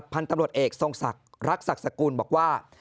พันธุ์ตำรวจเอกทรงรักษักสกุลบอกว่า